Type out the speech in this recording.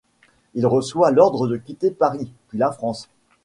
Il reçoit l’ordre de quitter Paris, puis la France.